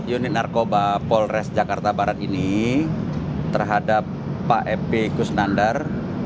unit narkoba polres jakarta barat ini terhadap pak ep kusnandar